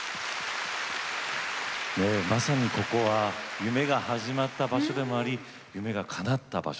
まさにここは夢が始まった場所でもあり夢がかなった場所でもある。